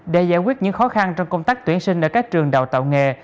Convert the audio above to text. để giải quyết những khó khăn trong công tác tuyển sinh ở các trường đào tạo nghề